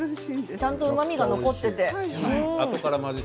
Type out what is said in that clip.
ちゃんとうまみが残っていて。